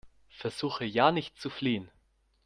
Versuche ja nicht zu fliehen!